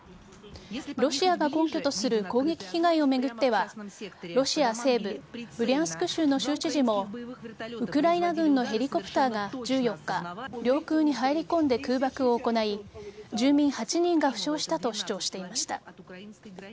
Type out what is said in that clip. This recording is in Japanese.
ロシアが根拠とする攻撃被害を巡ってはロシア西部ブリャンスク州の州知事もウクライナ軍のヘリコプターが１４日、領空に入り込んで空爆を行い住民８人が負傷したと主張していました。